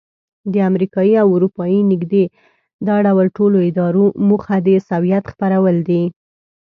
د امریکایي او اروپایي نږدې دا ډول ټولو ادارو موخه د عیسویت خپرول دي.